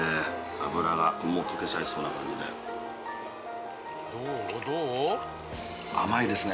脂がもう溶けちゃいそうな感じで甘いですね